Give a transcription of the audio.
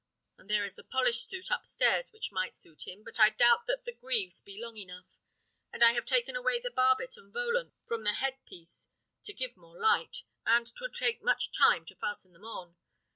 Then there is the polished suit up stairs, which might suit him, but I doubt that the greaves be long enough, and I have taken away the barbet and volant from the head piece to give more light, and 'twould take much time to fasten them on.